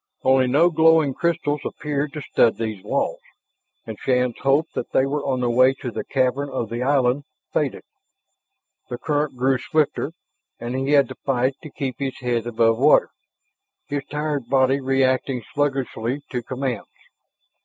Only no glowing crystals appeared to stud these walls, and Shann's hope that they were on their way to the cavern of the island faded. The current grew swifter, and he had to fight to keep his head above water, his tired body reacting sluggishly to commands.